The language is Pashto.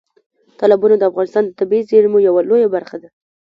تالابونه د افغانستان د طبیعي زیرمو یوه لویه برخه ده.